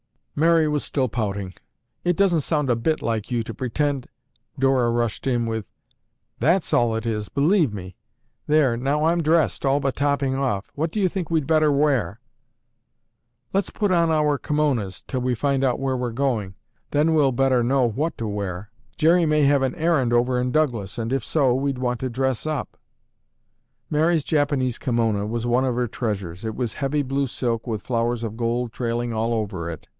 Mary was still pouting. "It doesn't sound a bit like you to pretend—" Dora rushed in with, "That's all it is, believe me! There, now I'm dressed, all but topping off. What do you think we'd better wear?" "Let's put on our kimonas until we find out where we're going, then we'll know better what to wear. Jerry may have an errand over in Douglas and, if so, we'd want to dress up." Mary's Japanese kimona was one of her treasures. It was heavy blue silk with flowers of gold trailing all over it.